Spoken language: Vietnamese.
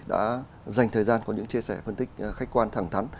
đã dành thời gian có những chia sẻ phân tích khách quan thẳng thắn